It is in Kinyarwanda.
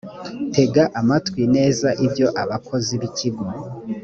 tega amatwi neza ibyo abakozi b ikigo